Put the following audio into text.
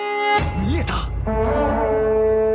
見えた！